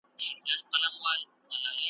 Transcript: د یاغي کوترو ښکار ته به یې وړلې `